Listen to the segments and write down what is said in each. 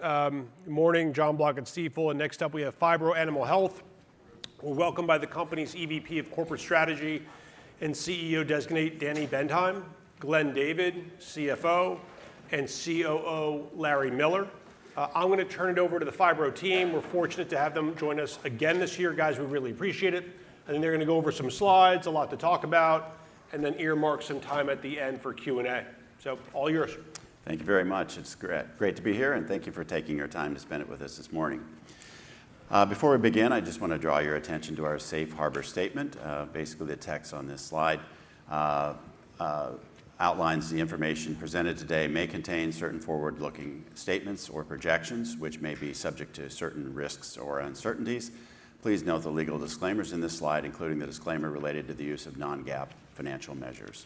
Good morning. Jonathan Block at Stifel, next up we have Phibro Animal Health. We're welcomed by the company's EVP of Corporate Strategy and CEO Designate, Daniel Bendheim; Glenn David, CFO; and COO, Larry Miller. I'm going to turn it over to the Phibro team. We're fortunate to have them join us again this year, guys. We really appreciate it. Then they're going to go over some slides, a lot to talk about, then earmark some time at the end for Q&A. All yours. Thank you very much. It's great to be here, thank you for taking your time to spend it with us this morning. Before we begin, I just want to draw your attention to our safe harbor statement. Basically, the text on this slide outlines the information presented today may contain certain forward-looking statements or projections, which may be subject to certain risks or uncertainties. Please note the legal disclaimers in this slide, including the disclaimer related to the use of non-GAAP financial measures.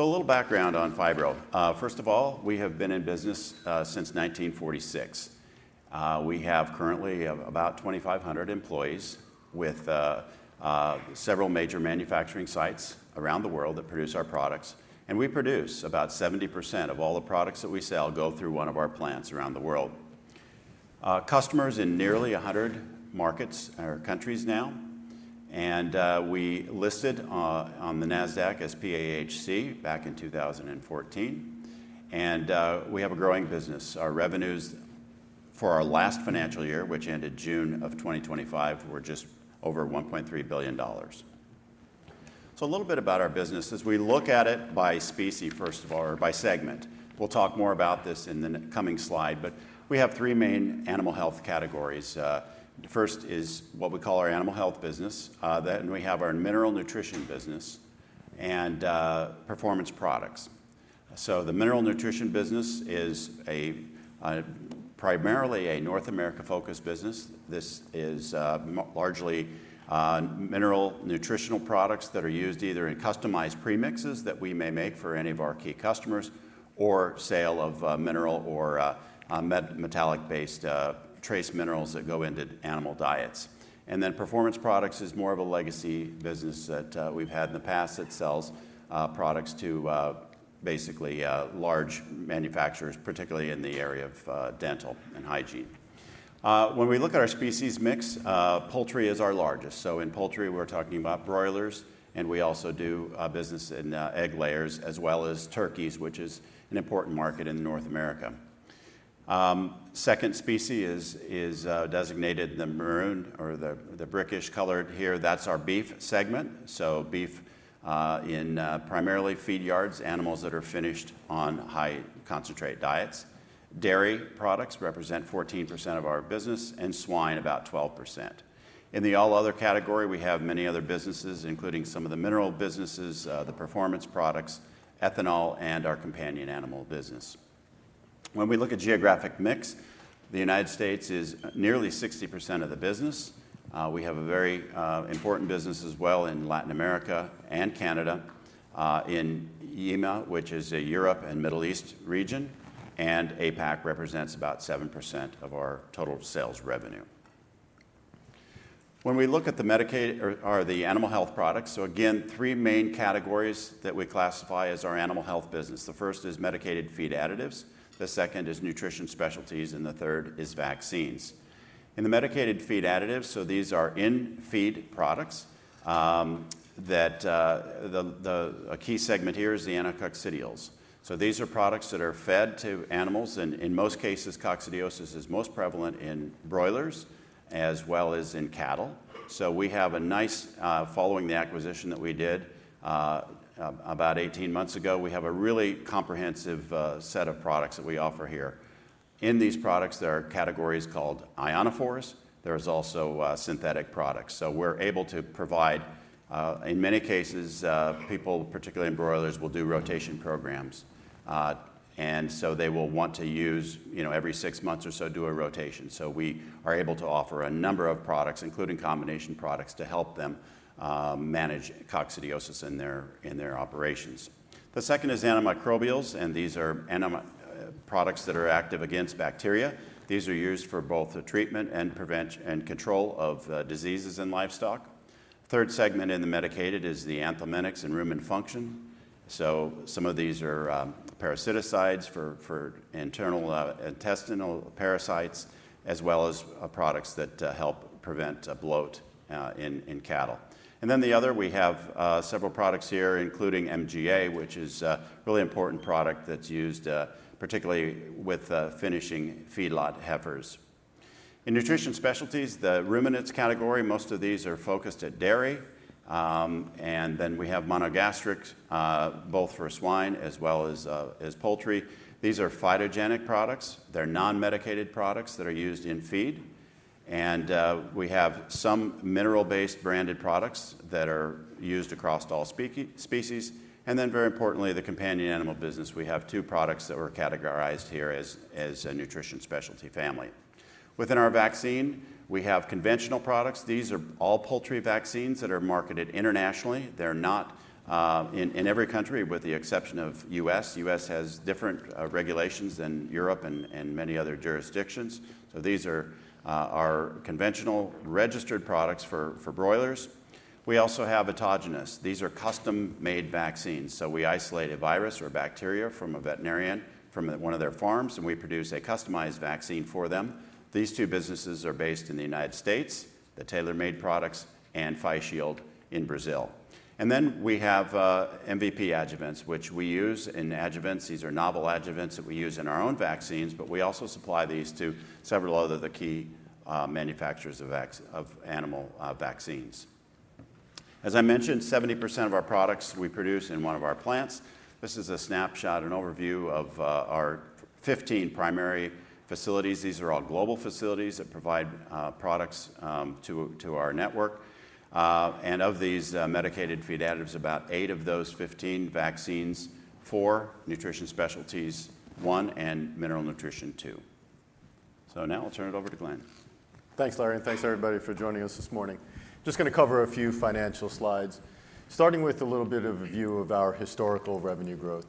A little background on Phibro. First of all, we have been in business since 1946. We have currently about 2,500 employees with several major manufacturing sites around the world that produce our products. About 70% of all the products that we sell go through one of our plants around the world. Customers in nearly 100 markets or countries now. We listed on the Nasdaq as PAHC back in 2014. We have a growing business. Our revenues for our last financial year, which ended June of 2025, were just over $1.3 billion. A little bit about our business as we look at it by specie, first of all, or by segment. We'll talk more about this in the coming slide. We have three main animal health categories. The first is what we call our animal health business. We have our Mineral Nutrition business, and Performance Products. The Mineral Nutrition business is primarily a North America-focused business. This is largely mineral nutritional products that are used either in customized premixes that we may make for any of our key customers or sale of mineral or metallic-based trace minerals that go into animal diets. Then Performance Products is more of a legacy business that we've had in the past that sells products to basically large manufacturers, particularly in the area of dental and hygiene. When we look at our species mix, poultry is our largest. In poultry, we're talking about broilers, and we also do business in egg layers as well as turkeys, which is an important market in North America. Second specie is designated the maroon or the brick-ish color here. That's our beef segment. Beef in primarily feed yards, animals that are finished on high-concentrate diets. Dairy products represent 14% of our business, and swine about 12%. In the all other category, we have many other businesses, including some of the Mineral Nutrition businesses, the Performance Products, ethanol, and our companion animal business. When we look at geographic mix, the United States is nearly 60% of the business. We have a very important business as well in Latin America and Canada. EMEA, which is a Europe and Middle East region, and APAC represents about 7% of our total sales revenue. When we look at the animal health products, again, three main categories that we classify as our animal health business. The first is Medicated Feed Additives, the second is Nutritional Specialties, and the third is vaccines. In the Medicated Feed Additives, these are in-feed products that a key segment here is the anticoccidials. These are products that are fed to animals. In most cases, coccidiosis is most prevalent in broilers as well as in cattle. Following the acquisition that we did about 18 months ago, we have a really comprehensive set of products that we offer here. In these products, there are categories called ionophores. There is also synthetic products. We're able to provide In many cases, people, particularly in broilers, will do rotation programs. They will want to use every six months or so, do a rotation. We are able to offer a number of products, including combination products, to help them manage coccidiosis in their operations. The second is antimicrobials, these are products that are active against bacteria. These are used for both the treatment and control of diseases in livestock. Third segment in the medicated is the anthelmintics and rumen function. Some of these are parasiticides for internal intestinal parasites, as well as products that help prevent bloat in cattle. The other, we have several products here, including MGA, which is a really important product that's used particularly with finishing feedlot heifers. In Nutritional Specialties, the ruminants category, most of these are focused at dairy. We have monogastrics, both for swine as well as poultry. These are phytogenic products. They're non-medicated products that are used in feed. We have some mineral-based branded products that are used across all species. Very importantly, the companion animal business. We have two products that were categorized here as a Nutritional Specialty family. Within our vaccine, we have conventional products. These are all poultry vaccines that are marketed internationally. They're not in every country with the exception of U.S. U.S. has different regulations than Europe and many other jurisdictions. These are our conventional registered products for broilers. We also have autogenous. These are custom-made vaccines. We isolate a virus or bacteria from a veterinarian from one of their farms, and we produce a customized vaccine for them. These two businesses are based in the United States, the Tailor-Made products, and pHi-shIELD in Brazil. We have MVP adjuvants, which we use in adjuvants. These are novel adjuvants that we use in our own vaccines, but we also supply these to several other of the key manufacturers of animal vaccines. As I mentioned, 70% of our products we produce in one of our plants. This is a snapshot, an overview of our 15 primary facilities. These are all global facilities that provide products to our network. Of these Medicated Feed Additives, about eight of those 15 vaccines, four Nutritional Specialties, one and Mineral Nutrition two. Now I'll turn it over to Glenn. Thanks, Larry, and thanks everybody for joining us this morning. Going to cover a few financial slides, starting with a little bit of a view of our historical revenue growth.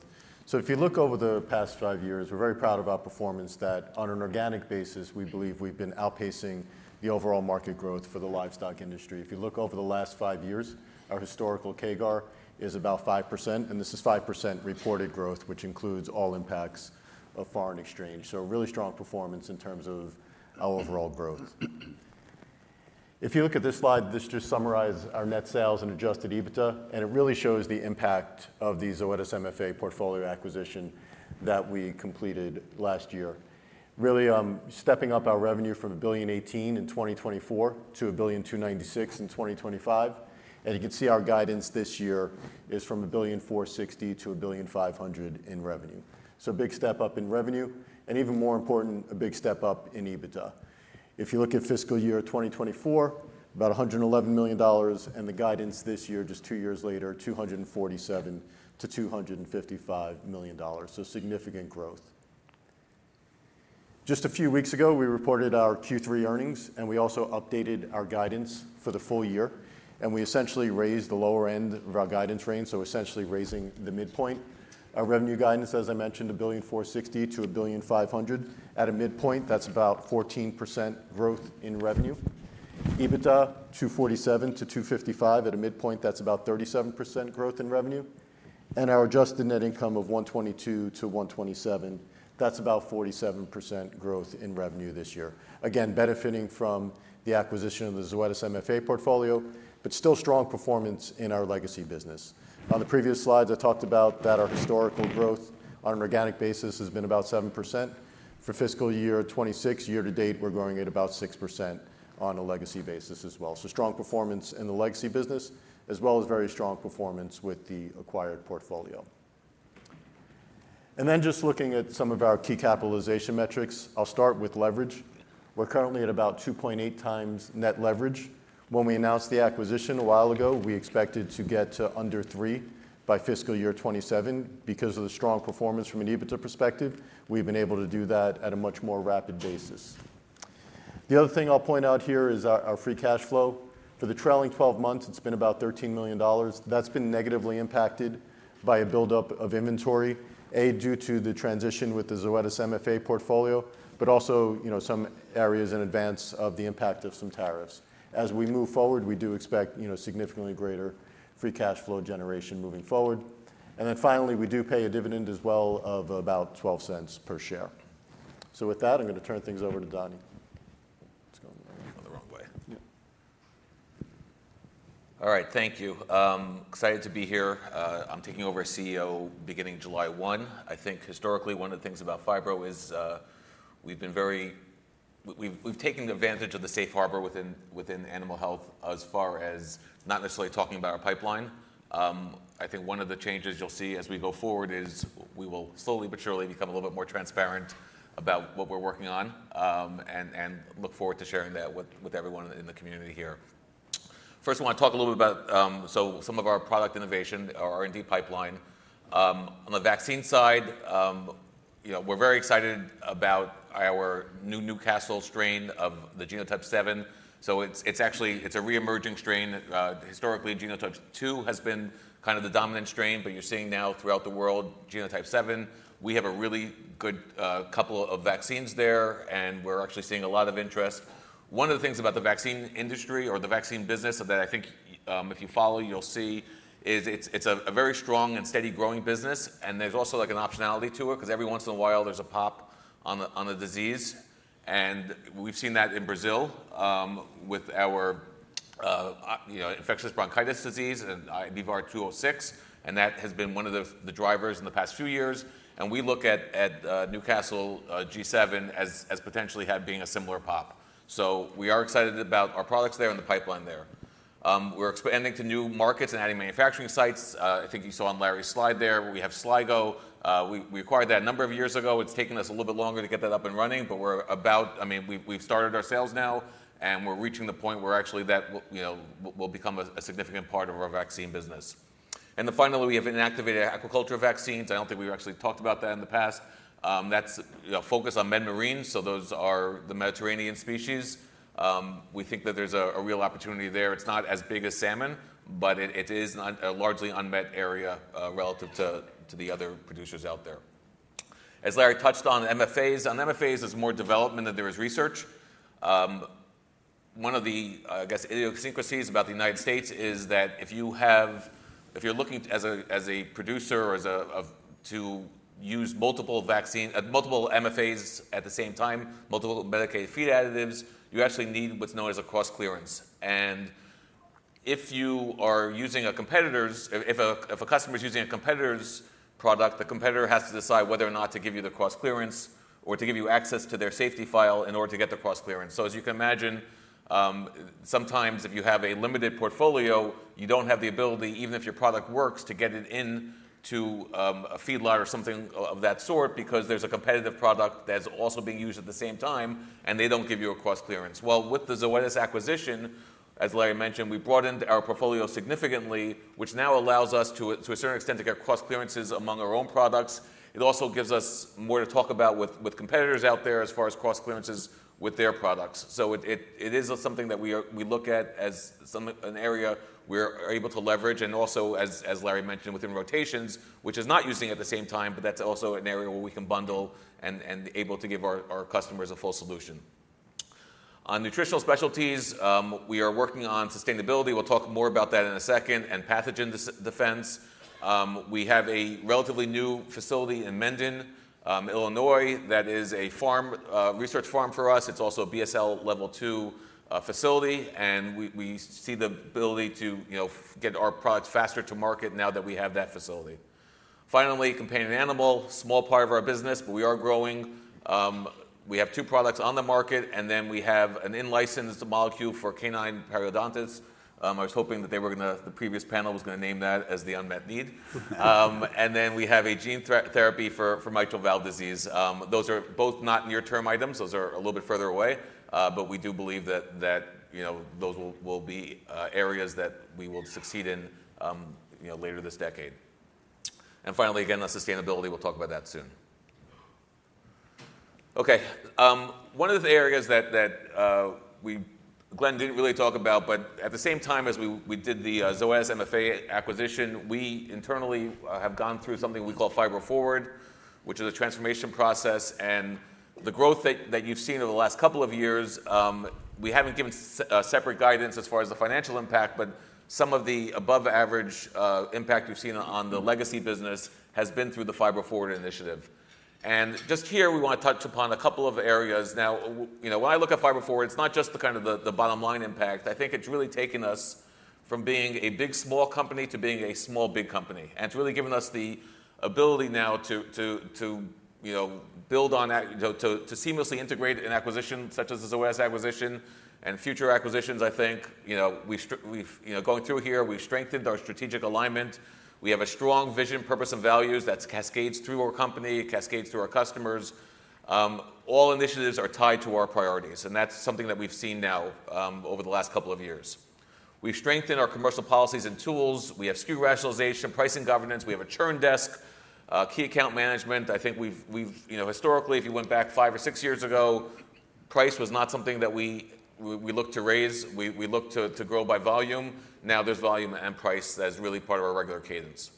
If you look over the past 5 years, we're very proud of our performance that on an organic basis, we believe we've been outpacing the overall market growth for the livestock industry. If you look over the last 5 years, our historical CAGR is about 5%, and this is 5% reported growth, which includes all impacts of foreign exchange. Really strong performance in terms of our overall growth. If you look at this slide, this just summarizes our net sales and adjusted EBITDA, and it really shows the impact of the Zoetis MFA portfolio acquisition that we completed last year, really stepping up our revenue from $1.018 billion in 2024 to $1.296 billion in 2025. You can see our guidance this year is from $1.460 billion to $1.500 billion in revenue. A big step up in revenue, and even more important, a big step up in EBITDA. If you look at fiscal year 2024, about $111 million, the guidance this year, just 2 years later, $247 million to $255 million. Significant growth. A few weeks ago, we reported our Q3 earnings, we also updated our guidance for the full year, we essentially raised the lower end of our guidance range, essentially raising the midpoint. Our revenue guidance, as I mentioned, $1.460 billion to $1.500 billion. At a midpoint, that's about 14% growth in revenue. EBITDA, $247 million to $255 million. At a midpoint, that's about 37% growth in revenue. Our adjusted net income of $122 million to $127 million, that's about 47% growth in revenue this year. Benefiting from the acquisition of the Zoetis MFA portfolio, but still strong performance in our legacy business. On the previous slides, I talked about that our historical growth on an organic basis has been about 7%. For fiscal year 2026, year to date, we're growing at about 6% on a legacy basis as well. Strong performance in the legacy business, as well as very strong performance with the acquired portfolio. Looking at some of our key capitalization metrics. I'll start with leverage. We're currently at about 2.8 times net leverage. When we announced the acquisition a while ago, we expected to get to under 3 by fiscal year 2027. Because of the strong performance from an EBITDA perspective, we've been able to do that at a much more rapid basis. The other thing I'll point out here is our free cash flow. For the trailing 12 months, it's been about $13 million. That's been negatively impacted by a buildup of inventory due to the transition with the Zoetis MFA portfolio, but also some areas in advance of the impact of some tariffs. We do expect significantly greater free cash flow generation moving forward. Finally, we do pay a dividend as well of about $0.12 per share. With that, I'm going to turn things over to Danny. It's going the wrong way. Going the wrong way. Yeah. All right. Thank you. Excited to be here. I'm taking over as CEO beginning July one. Historically, one of the things about Phibro is we've taken advantage of the safe harbor within animal health as far as not necessarily talking about our pipeline. One of the changes you'll see as we go forward is we will slowly but surely become a little bit more transparent about what we're working on, and look forward to sharing that with everyone in the community here. First, I want to talk a little bit about some of our product innovation, our R&D pipeline. On the vaccine side, we're very excited about our new Newcastle strain of the genotype 7. It's a reemerging strain. Historically, genotype 2 has been kind of the dominant strain, you're seeing now throughout the world, genotype 7. We have a really good couple of vaccines there. We're actually seeing a lot of interest. One of the things about the vaccine industry or the vaccine business that I think if you follow, you'll see, is it's a very strong and steady growing business, and there's also an optionality to it because every once in a while, there's a pop on a disease. We've seen that in Brazil with our infectious bronchitis disease in BVR 206. That has been one of the drivers in the past few years. We look at Newcastle G7 as potentially being a similar pop. We are excited about our products there and the pipeline there. We're expanding to new markets and adding manufacturing sites. I think you saw on Larry's slide there, we have Sligo. We acquired that a number of years ago. It's taken us a little bit longer to get that up and running. We've started our sales now, and we're reaching the point where actually that will become a significant part of our vaccine business. Finally, we have inactivated aquaculture vaccines. I don't think we've actually talked about that in the past. That's focused on MedMarine, so those are the Mediterranean species. We think that there's a real opportunity there. It's not as big as salmon, it is a largely unmet area relative to the other producers out there. As Larry touched on MFAs. On MFAs, there's more development than there is research. One of the, I guess, idiosyncrasies about the U.S. is that if you're looking as a producer to use multiple MFAs at the same time, multiple Medicated Feed Additives, you actually need what's known as a cross clearance. If a customer's using a competitor's product, the competitor has to decide whether or not to give you the cross clearance or to give you access to their safety file in order to get the cross clearance. As you can imagine, sometimes if you have a limited portfolio, you don't have the ability, even if your product works, to get it into a feedlot or something of that sort because there's a competitive product that's also being used at the same time, and they don't give you a cross clearance. With the Zoetis acquisition, as Larry mentioned, we broadened our portfolio significantly, which now allows us, to a certain extent, to get cross clearances among our own products. It also gives us more to talk about with competitors out there as far as cross clearances with their products. It is something that we look at as an area we're able to leverage. Also, as Larry mentioned, within rotations, which is not using at the same time, but that's also an area where we can bundle and able to give our customers a full solution. On nutritional specialties, we are working on sustainability, we'll talk more about that in a second, and pathogen defense. We have a relatively new facility in Mendon, Illinois, that is a research farm for us. It's also a BSL Level 2 facility, and we see the ability to get our products faster to market now that we have that facility. Finally, companion animal. Small part of our business, but we are growing. We have two products on the market, and then we have an in-licensed molecule for canine periodontitis. I was hoping that the previous panel was going to name that as the unmet need. Then we have a gene therapy for mitral valve disease. Those are both not near-term items. Those are a little bit further away. But we do believe that those will be areas that we will succeed in later this decade. Finally, again, the sustainability. We'll talk about that soon. Okay. One of the areas that Glenn didn't really talk about, but at the same time as we did the Zoetis MFA acquisition, we internally have gone through something we call Phibro Forward, which is a transformation process. The growth that you've seen over the last couple of years, we haven't given separate guidance as far as the financial impact, but some of the above-average impact you've seen on the legacy business has been through the Phibro Forward initiative. Just here, we want to touch upon a couple of areas. Now, when I look at Phibro Forward, it's not just the bottom-line impact. I think it's really taken us from being a big small company to being a small big company. It's really given us the ability now to seamlessly integrate an acquisition such as the Zoetis acquisition and future acquisitions, I think. Going through here, we've strengthened our strategic alignment. We have a strong vision, purpose, and values that cascades through our company, cascades through our customers. All initiatives are tied to our priorities, and that's something that we've seen now over the last couple of years. We've strengthened our commercial policies and tools. We have SKU rationalization, pricing governance. We have a churn desk, key account management. I think historically, if you went back five or six years ago, price was not something that we looked to raise. We looked to grow by volume. Now there's volume and price that is really part of our regular cadence.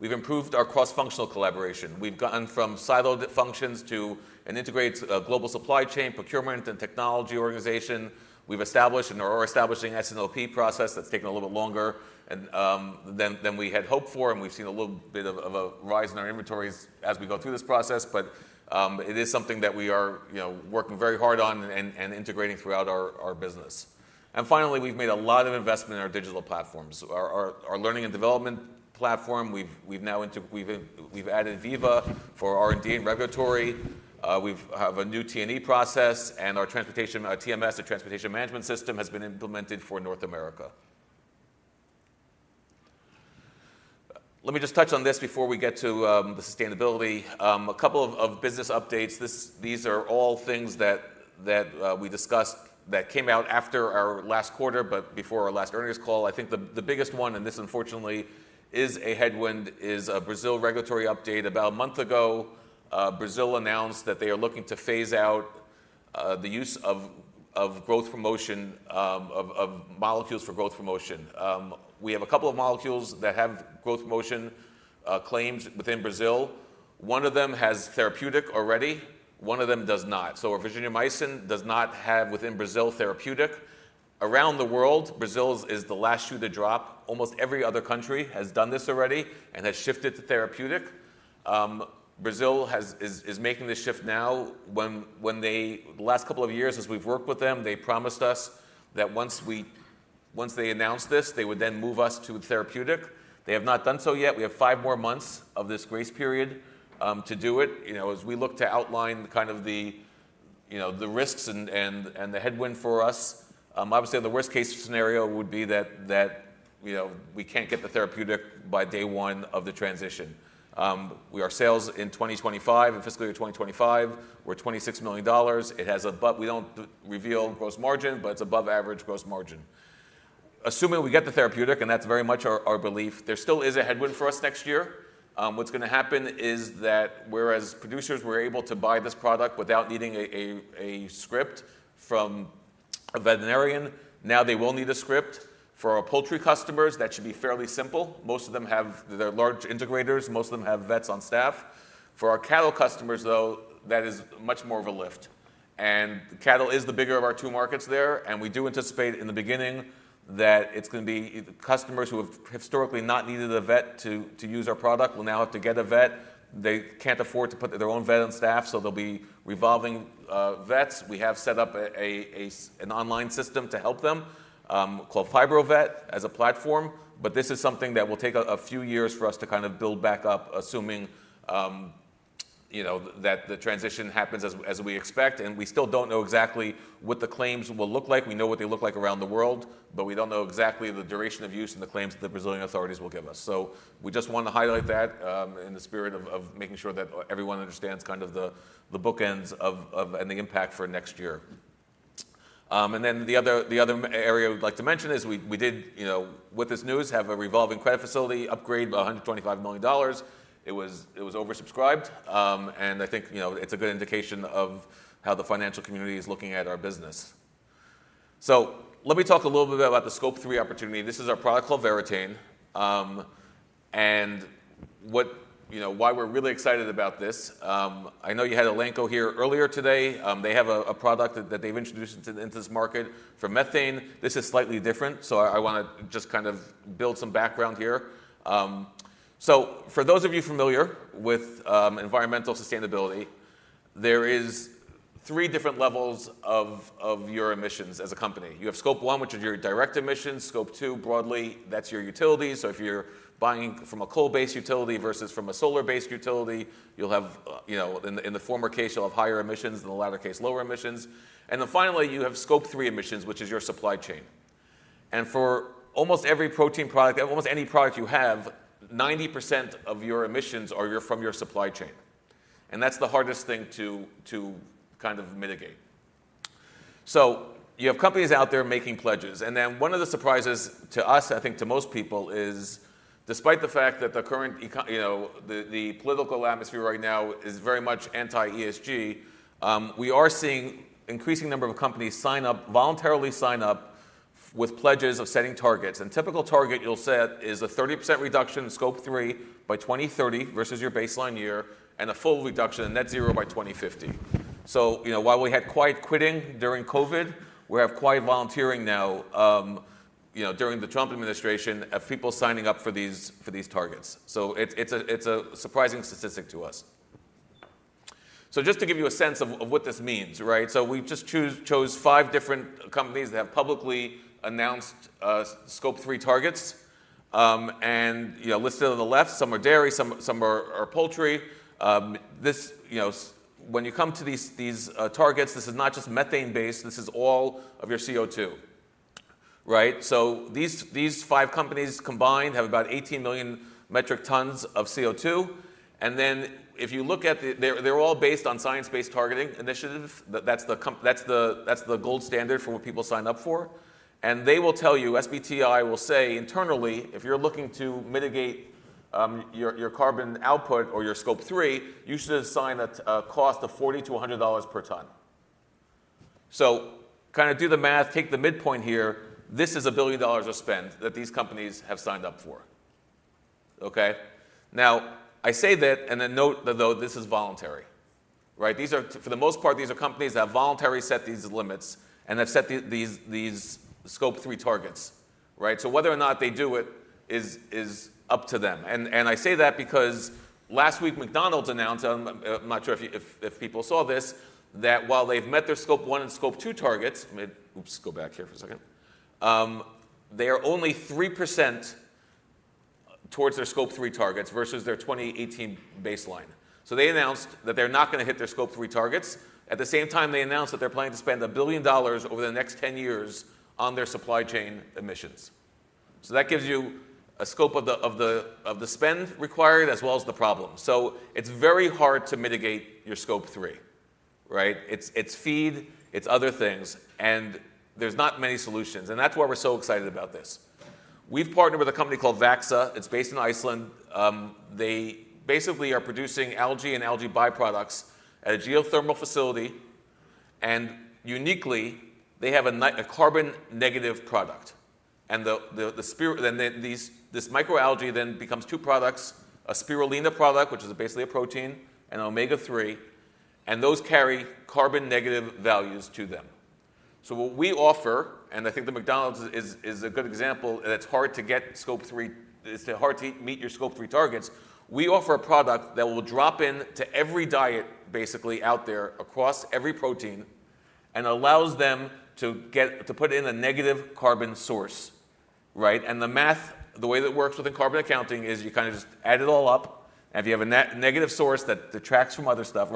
We've improved our cross-functional collaboration. We've gone from siloed functions to an integrated global supply chain, procurement, and technology organization. We've established or are establishing an S&OP process that's taken a little bit longer than we had hoped for, and we've seen a little bit of a rise in our inventories as we go through this process. It is something that we are working very hard on and integrating throughout our business. Finally, we've made a lot of investment in our digital platforms. Our learning and development platform, we've added Veeva for R&D and regulatory. We have a new T&E process. Our TMS, or Transportation Management System, has been implemented for North America. Let me just touch on this before we get to the sustainability. A couple of business updates. These are all things that we discussed that came out after our last quarter, but before our last earnings call. The biggest one, and this unfortunately is a headwind, is a Brazil regulatory update. About a month ago, Brazil announced that they are looking to phase out the use of molecules for growth promotion. We have a couple of molecules that have growth promotion claims within Brazil. One of them has therapeutic already, one of them does not. virginiamycin does not have, within Brazil, therapeutic. Around the world, Brazil is the last shoe to drop. Almost every other country has done this already and has shifted to therapeutic. Brazil is making this shift now. The last couple of years, as we've worked with them, they promised us that once they announced this, they would then move us to therapeutic. They have not done so yet. We have five more months of this grace period to do it. As we look to outline the risks and the headwind for us, obviously, the worst-case scenario would be that we can't get the therapeutic by day one of the transition. Our sales in FY 2025 were $26 million. We don't reveal gross margin, but it's above average gross margin. Assuming we get the therapeutic, and that's very much our belief, there still is a headwind for us next year. What's going to happen is that whereas producers were able to buy this product without needing a script from a veterinarian. Now they will need a script. For our poultry customers, that should be fairly simple. Most of them have their large integrators. Most of them have vets on staff. For our cattle customers, though, that is much more of a lift. Cattle is the bigger of our two markets there, and we do anticipate in the beginning that it's going to be customers who have historically not needed a vet to use our product will now have to get a vet. They can't afford to put their own vet on staff, so there'll be revolving vets. We have set up an online system to help them, called Phibrovet, as a platform. This is something that will take a few years for us to build back up, assuming that the transition happens as we expect. We still don't know exactly what the claims will look like. We know what they look like around the world, we don't know exactly the duration of use and the claims that the Brazilian authorities will give us. We just want to highlight that in the spirit of making sure that everyone understands the bookends and the impact for next year. The other area we'd like to mention is we did, with this news, have a revolving credit facility upgrade by $125 million. It was oversubscribed. I think it's a good indication of how the financial community is looking at our business. Let me talk a little bit about the Scope 3 opportunity. This is our product called Verratain. Why we're really excited about this. I know you had Elanco here earlier today. They have a product that they've introduced into this market for methane. This is slightly different, I want to just build some background here. For those of you familiar with environmental sustainability, there is three different levels of your emissions as a company. You have Scope 1, which is your direct emissions, Scope 2, broadly, that's your utilities. If you're buying from a coal-based utility versus from a solar-based utility, in the former case, you'll have higher emissions, in the latter case, lower emissions. Finally, you have Scope 3 emissions, which is your supply chain. For almost every protein product, almost any product you have, 90% of your emissions are from your supply chain. That's the hardest thing to mitigate. You have companies out there making pledges. One of the surprises to us, I think to most people, is despite the fact that the political atmosphere right now is very much anti-ESG, we are seeing increasing number of companies voluntarily sign up with pledges of setting targets. Typical target you'll set is a 30% reduction in Scope 3 by 2030 versus your baseline year, a full reduction in net zero by 2050. While we had quiet quitting during COVID, we have quiet volunteering now during the Trump administration of people signing up for these targets. It's a surprising statistic to us. Just to give you a sense of what this means. We've just chose five different companies that have publicly announced Scope 3 targets. Listed on the left, some are dairy, some are poultry. When you come to these targets, this is not just methane based, this is all of your CO2. These five companies combined have about 18 million metric tons of CO2. They're all based on Science Based Targets initiative. That's the gold standard for what people sign up for. They will tell you, SBTI will say internally, if you're looking to mitigate your carbon output or your Scope 3, you should assign a cost of $40 to $100 per ton. Do the math, take the midpoint here. This is a billion dollars of spend that these companies have signed up for. Okay. Now, I say that, note that, though, this is voluntary. For the most part, these are companies that voluntarily set these limits and have set these Scope 3 targets. Whether or not they do it is up to them. I say that because last week McDonald's announced, I'm not sure if people saw this, that while they've met their Scope 1 and Scope 2 targets. Oops, go back here for a second. They are only 3% towards their Scope 3 targets versus their 2018 baseline. They announced that they're not going to hit their Scope 3 targets. At the same time, they announced that they're planning to spend $1 billion over the next 10 years on their supply chain emissions. That gives you a scope of the spend required as well as the problem. It's very hard to mitigate your Scope 3. It's feed, it's other things, and there's not many solutions. That's why we're so excited about this. We've partnered with a company called VAXA. It's based in Iceland. They basically are producing algae and algae byproducts at a geothermal facility. Uniquely, they have a carbon negative product. This microalgae then becomes 2 products, a spirulina product, which is basically a protein, and omega-3, and those carry carbon negative values to them. What we offer, and I think that McDonald's is a good example, it's hard to meet your Scope 3 targets. We offer a product that will drop in to every diet basically out there across every protein and allows them to put in a negative carbon source. The math, the way that it works within carbon accounting is you just add it all up, and if you have a negative source, that detracts from other stuff.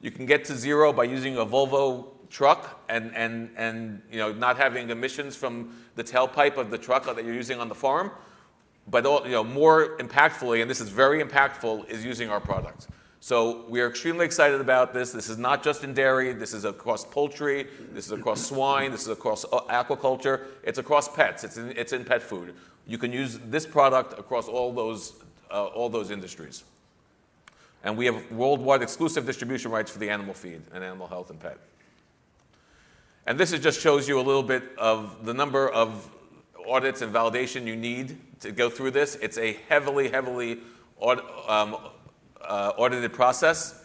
You can get to zero by using a Volvo truck and not having emissions from the tailpipe of the truck that you're using on the farm. More impactfully, and this is very impactful, is using our product. We are extremely excited about this. This is not just in dairy, this is across poultry, this is across swine, this is across aquaculture, it's across pets. It's in pet food. You can use this product across all those industries. We have worldwide exclusive distribution rights for the animal feed and animal health and pet. This just shows you a little bit of the number of audits and validation you need to go through this. It's a heavily audited process.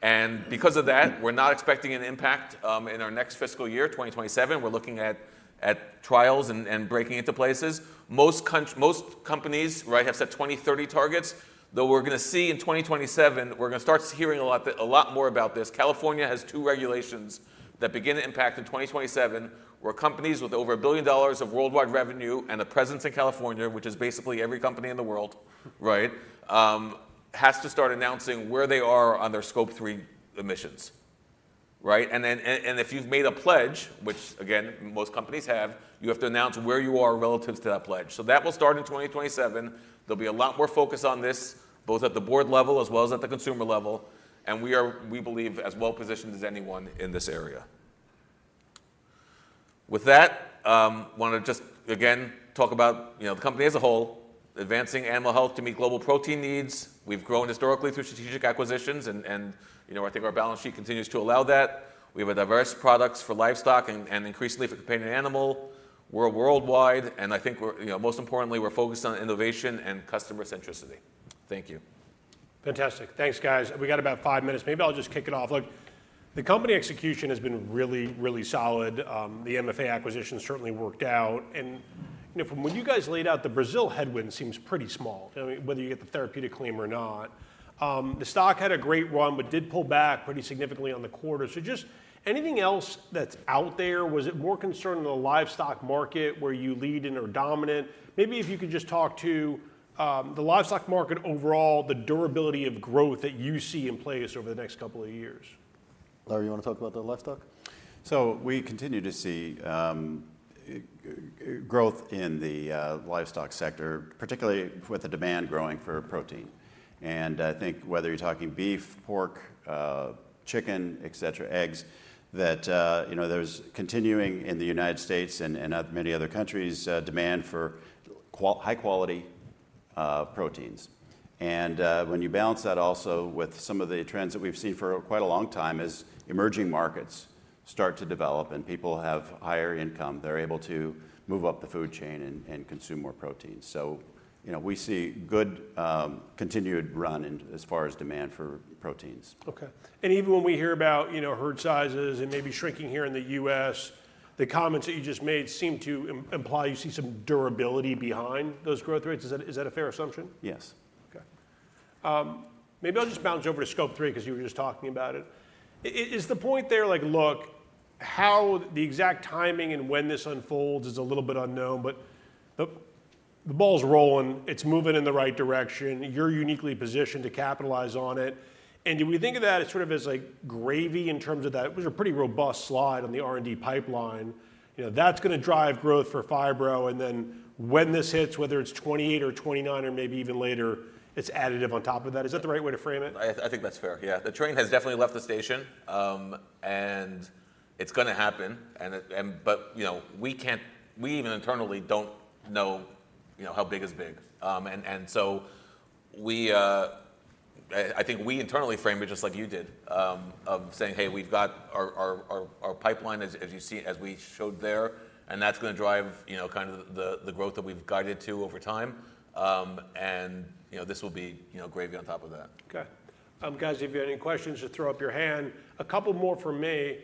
Because of that, we're not expecting an impact in our next fiscal year, 2027. We're looking at trials and breaking into places. Most companies have set 2030 targets, though we're going to see in 2027, we're going to start hearing a lot more about this. California has 2 regulations that begin to impact in 2027, where companies with over $1 billion of worldwide revenue and a presence in California, which is basically every company in the world, has to start announcing where they are on their Scope 3 emissions. If you've made a pledge, which again, most companies have, you have to announce where you are relative to that pledge. That will start in 2027. There'll be a lot more focus on this, both at the board level as well as at the consumer level. We believe as well-positioned as anyone in this area. With that, want to just again, talk about the company as a whole, advancing animal health to meet global protein needs. We've grown historically through strategic acquisitions and I think our balance sheet continues to allow that. We have a diverse products for livestock and increasingly for companion animal. We're worldwide, and I think most importantly, we're focused on innovation and customer centricity. Thank you. Fantastic. Thanks, guys. We got about five minutes. Maybe I'll just kick it off. Look, the company execution has been really, really solid. The MFA acquisition certainly worked out. From when you guys laid out the Brazil headwind seems pretty small, whether you get the therapeutic claim or not. The stock had a great run, but did pull back pretty significantly on the quarter. Just anything else that's out there? Was it more concerned with the livestock market where you lead and are dominant? Maybe if you could just talk to the livestock market overall, the durability of growth that you see in place over the next couple of years. Larry, you want to talk about the livestock? We continue to see growth in the livestock sector, particularly with the demand growing for protein. I think whether you're talking beef, pork, chicken, et cetera, eggs, that there's continuing in the U.S. and many other countries demand for high quality proteins. When you balance that also with some of the trends that we've seen for quite a long time as emerging markets start to develop and people have higher income, they're able to move up the food chain and consume more protein. We see good continued run as far as demand for proteins. Okay. Even when we hear about herd sizes and maybe shrinking here in the U.S., the comments that you just made seem to imply you see some durability behind those growth rates. Is that a fair assumption? Yes. Okay. Maybe I'll just bounce over to Scope 3 because you were just talking about it. Is the point there like, look, how the exact timing and when this unfolds is a little bit unknown, but the ball's rolling. It's moving in the right direction. You're uniquely positioned to capitalize on it. Do we think of that as sort of as like gravy in terms of that? It was a pretty robust slide on the R&D pipeline. That's going to drive growth for Phibro, then when this hits, whether it's 2028 or 2029 or maybe even later, it's additive on top of that. Is that the right way to frame it? I think that's fair. Yeah. The train has definitely left the station. It's going to happen. We even internally don't know how big is big. I think we internally frame it just like you did, of saying, hey, we've got our pipeline as you see, as we showed there, that's going to drive kind of the growth that we've guided to over time. This will be gravy on top of that. Okay. Guys, if you have any questions, just throw up your hand. A couple more from me.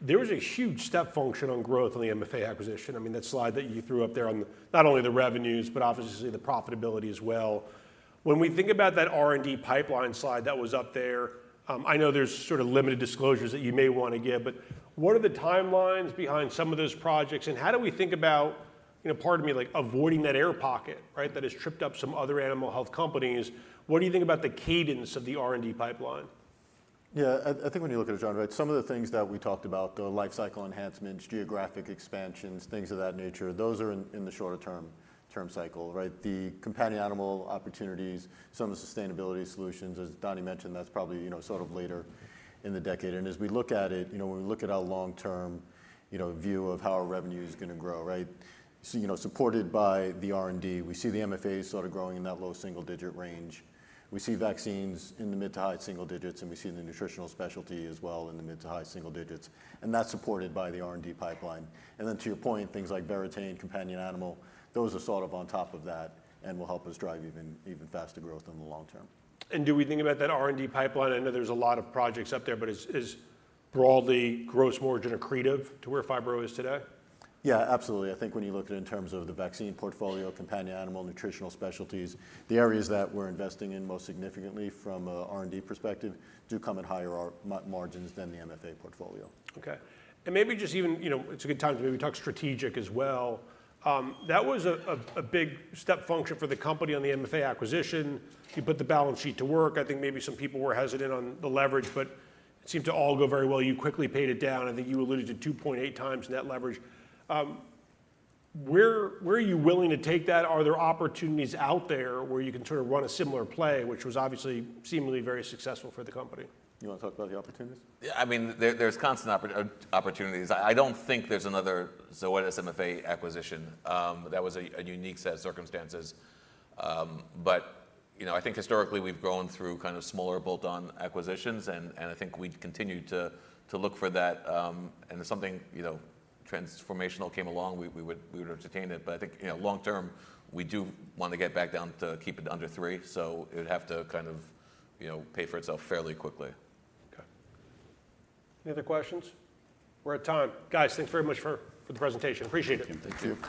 There was a huge step function on growth on the MFA acquisition. That slide that you threw up there on not only the revenues, but obviously the profitability as well. When we think about that R&D pipeline slide that was up there, I know there's sort of limited disclosures that you may want to give, but what are the timelines behind some of those projects, and how do we think about, pardon me, like avoiding that air pocket that has tripped up some other animal health companies? What do you think about the cadence of the R&D pipeline? Yeah. I think when you look at it, John, some of the things that we talked about, the life cycle enhancements, geographic expansions, things of that nature, those are in the shorter-term cycle. The companion animal opportunities, some of the sustainability solutions, as Donnie mentioned, that's probably sort of later in the decade. As we look at it, when we look at our long-term view of how our revenue is going to grow, supported by the R&D. We see the MFAs sort of growing in that low single-digit range. We see vaccines in the mid-to-high single digits, and we see the Nutritional Specialties as well in the mid-to-high single digits. That's supported by the R&D pipeline. To your point, things like Verratain, companion animal, those are sort of on top of that and will help us drive even faster growth in the long-term. Do we think about that R&D pipeline? I know there's a lot of projects up there, but is broadly gross margin accretive to where Phibro is today? Yeah, absolutely. I think when you look at it in terms of the vaccine portfolio, companion animal, Nutritional Specialties, the areas that we're investing in most significantly from an R&D perspective do come at higher margins than the MFA portfolio. Okay. Maybe just even, it's a good time to maybe talk strategic as well. That was a big step function for the company on the MFA acquisition. You put the balance sheet to work. I think maybe some people were hesitant on the leverage, but it seemed to all go very well. You quickly paid it down. I think you alluded to 2.8 times net leverage. Where are you willing to take that? Are there opportunities out there where you can sort of run a similar play, which was obviously seemingly very successful for the company? You want to talk about the opportunities? Yeah, there's constant opportunities. I don't think there's another Zoetis MFA acquisition. That was a unique set of circumstances. I think historically we've grown through kind of smaller bolt-on acquisitions, and I think we'd continue to look for that. If something transformational came along, we would entertain it. I think long term, we do want to get back down to keep it under three. It would have to kind of pay for itself fairly quickly. Okay. Any other questions? We're at time. Guys, thanks very much for the presentation. Appreciate it. Thank you. Thank you.